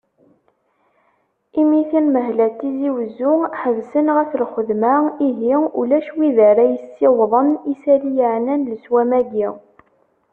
Imi tanmehla n Tizi Uzzu, ḥebsen ɣef lxedma, ihi ulac wid ara yessiwḍen isali yeɛnan leswam-agi.